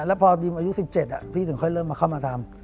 แล้วพอดิมอายุ๑๗พี่ถึงค่อยเริ่มมาเข้ามาทำ